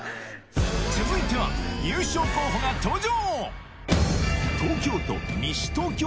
続いては優勝候補が登場！